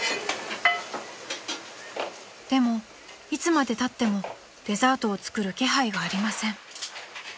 ［でもいつまでたってもデザートを作る気配がありません］